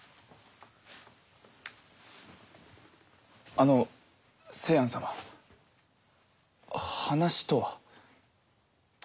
あの清庵様話とは？